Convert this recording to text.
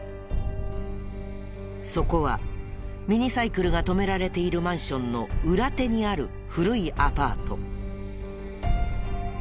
そこはミニサイクルが止められているマンションの裏手にある古いアパート。